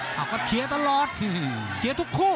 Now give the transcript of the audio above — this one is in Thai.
เอาก็เชียร์ตลอดเชียร์ทุกคู่